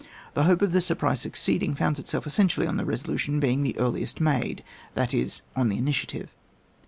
The hope of the surprise suc ceeding, founds itself essentially on the resolution being the earliest made, that is on the initiative.